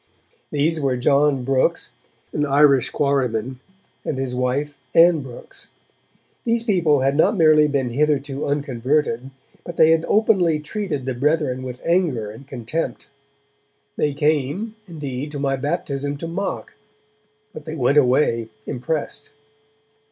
These were John Brooks, an Irish quarryman, and his wife, Ann Brooks. These people had not merely been hitherto unconverted, but they had openly treated the Brethren with anger and contempt. They came, indeed, to my baptism to mock, but they went away impressed.